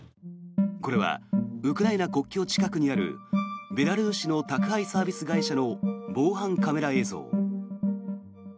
これはウクライナ国境近くにあるベラルーシの宅配サービス会社の防犯カメラ映像。